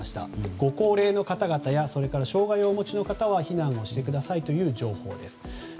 ご高齢の方々や障害をお持ちの方は避難をしてくださいという情報です。